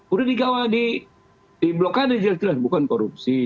udah dikawal di blokade jelas jelas bukan korupsi